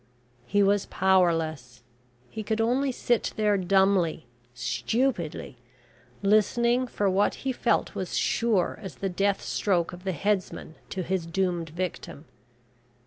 He was powerless. He could only sit there dumbly stupidly listening for what he felt was sure as the death stroke of the headsman to his doomed victim.